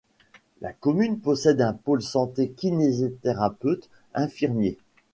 La commune possède un pôle santé kinésithérapeute, infirmier.